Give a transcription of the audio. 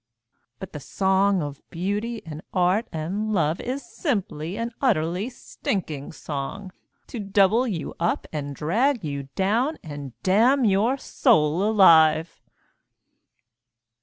But the song of Beauty and Art and Love Is simply an utterly stinking song, To double you up and drag you down And damn your soul alive.